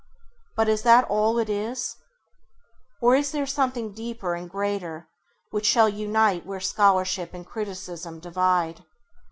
But is that all it is ? Or is there something deeper and greater which shall unite where scholarship and criticism divide